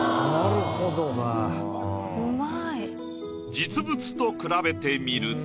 実物と比べてみると。